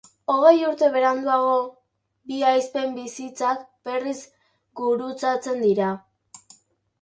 Hogei urte beranduago, bi ahizpen bizitzak berriz gurutzatzen dira.